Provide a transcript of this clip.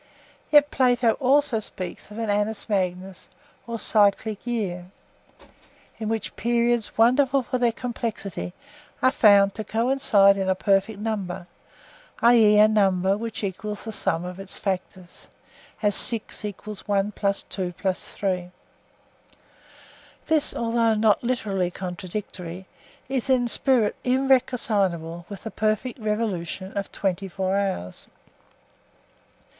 Yet Plato also speaks of an 'annus magnus' or cyclical year, in which periods wonderful for their complexity are found to coincide in a perfect number, i.e. a number which equals the sum of its factors, as 6 = 1 + 2 + 3. This, although not literally contradictory, is in spirit irreconcilable with the perfect revolution of twenty four hours.